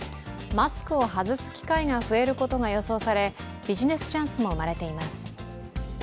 マスクを外す機会が増えることが予想され、ビジネスチャンスも生まれています。